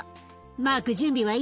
マーク準備はいい？